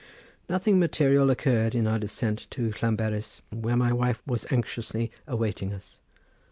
Nothing material occurred in our descent to Llanberis, where my wife was anxiously awaiting us.